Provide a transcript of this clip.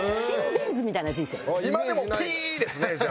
今はでもピーッ！ですねじゃあ。